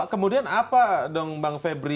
kemudian apa dong bang febri